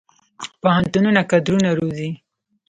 پوهنتونونه کادرونه روزي